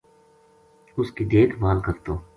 اُس کی دیکھ بھال کرتو